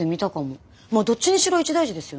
まあどっちにしろ一大事ですよね。